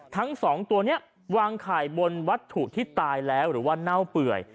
ทั้งสองตัวนี้วางไข่บนวัตถุที่ตายแล้วหรือว่าเน่าเปื่อย